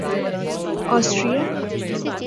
Austria